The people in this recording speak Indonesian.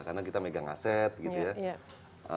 karena kita megang aset gitu ya